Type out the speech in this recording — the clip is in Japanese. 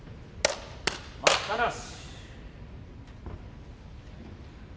待ったなし。